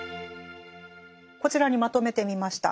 こちらにまとめてみました。